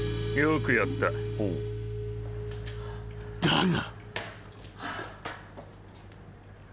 ［だが］